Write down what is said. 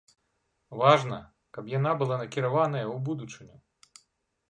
Важна, каб яна была накіраваная ў будучыню.